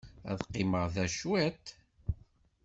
Ad qqimeɣ da cwiṭ.